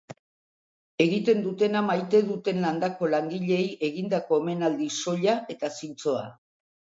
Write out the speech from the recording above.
Egiten dutena maite duten landako langileei egindako omenaldi soila eta zintzoa.